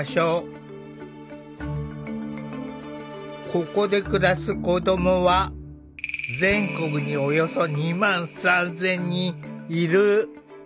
ここで暮らす子どもは全国におよそ２万３，０００人いる。